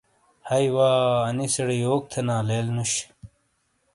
ہیئ وا انیسیڑے یوک تھینا لیل نُش۔